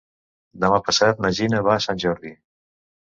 Demà passat na Gina va a Sant Jordi.